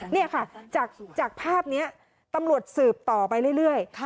เนี้ยค่ะจากจากภาพเนี้ยตำรวจสืบต่อไปเรื่อยเรื่อยค่ะ